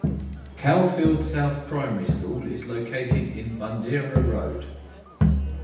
Caulfield South Primary School is located in Bundeera Road.